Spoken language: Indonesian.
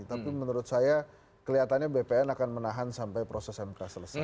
tapi menurut saya kelihatannya bpn akan menahan sampai proses mk selesai